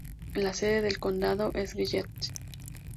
La sede del condado es Gillette.